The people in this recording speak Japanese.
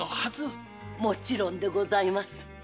もちろんでございます。